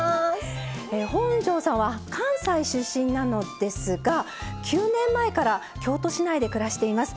本上さんは関西出身なのですが９年前から京都市内で暮らしています。